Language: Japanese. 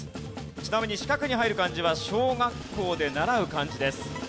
ちなみに四角に入る漢字は小学校で習う漢字です。